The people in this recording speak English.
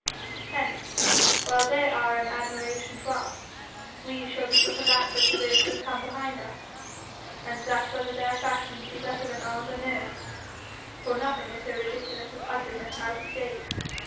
Hence, while they are an admiration to us, we shall be but a laughter to those that come behind us, and that whether their fashions be better than ours or no, for nothing is so ridiculous as ugliness out of date.